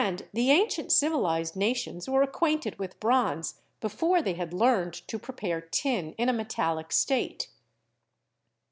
the ancient civilized nations were acquainted with bronze before they had learned to prepare tin in a metallic state.